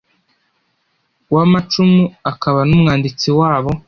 w’amacumu akaba n’umwanditsi wabo